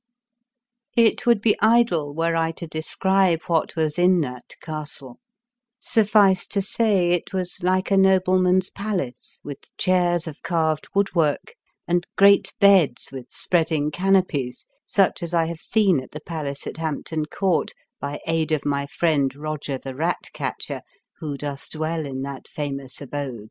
It would be idle were I to describe what was in that castle; suffice to say, it was like a nobleman's palace, with chairs of carved wood work and great beds with spreading canopies, such as I have seen at the Palace at Hampton Court, by aid of my friend, Roger the Ratcatcher, who doth dwell in that famous abode.